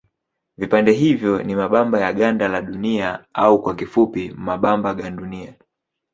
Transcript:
Vipande hivyo ni mabamba ya ganda la Dunia au kwa kifupi mabamba gandunia.